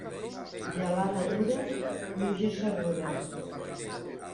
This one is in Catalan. Gelada dura, pluja segura.